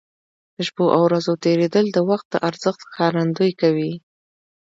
د شپو او ورځو تېرېدل د وخت د ارزښت ښکارندوي کوي.